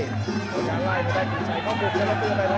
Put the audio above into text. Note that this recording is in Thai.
ก็จะไล่ไปกันใส่เข้าปุ่มกันแล้วตัวหน่อย